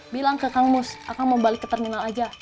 bilang ke kang mus akang mau balik ke terminal aja